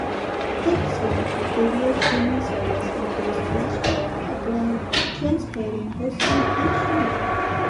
Picsearch video streaming service includes flash player, upload, transcoding, hosting and streaming.